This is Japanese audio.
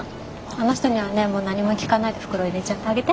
あの人にはねもう何も聞かないで袋入れちゃってあげて。